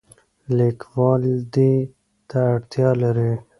لیکوال دې ته اړتیا لري.